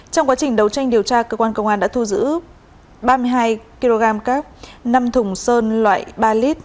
trong quá trình đấu tranh điều tra cơ quan công an đã thu giữ ba mươi hai kg cáp năm thùng sơn loại ba lít